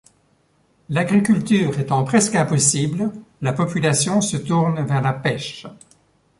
L'agriculture étant presque impossible, la population se tourne vers la pêche.